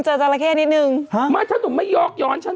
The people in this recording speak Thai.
เจอจัลละแค่นิดหนึ่งฮะไม่ถ้าผมไม่ยอกย้อนฉัน